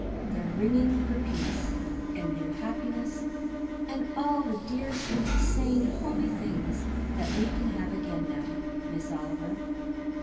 They're ringing for peace and new happiness and all the dear, sweet, sane, homey things that we can have again now, Miss Oliver.